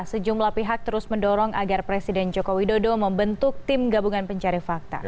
sejumlah pihak terus mendorong agar presiden joko widodo membentuk tim gabungan pencari fakta